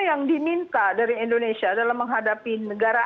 yang diminta dari indonesia dalam menghadapi negara